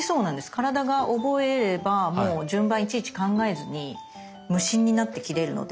体が覚えればもう順番いちいち考えずに無心になって切れるので。